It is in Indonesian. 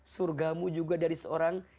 surgamu juga dari seorang